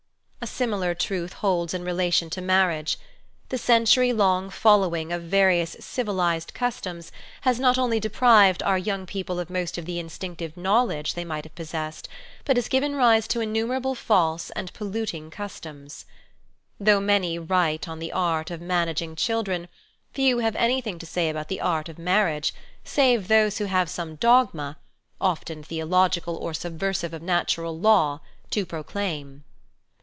A similar truth holds in relation to marriage. The century long following of various " civilised " The Glorious Unfolding "' customs has not only deprived our young people of most of the instinctive knowledge they might have 1 possessed, but has given rise to innumerable false and ; polluting customs. Though many write on the art of managing children, few have anything to say about the art of marriage, save those who have some dogma, often theological or subversive of natural law, to proclaim.